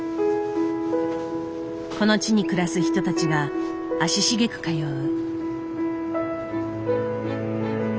この地に暮らす人たちが足しげく通う。